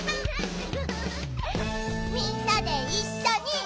みんなでいっしょに。